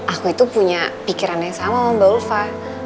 aku itu punya pikiran yang sama sama mbak ulfa